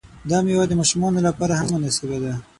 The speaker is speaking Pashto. دا میوه د ماشومانو لپاره هم مناسبه ده.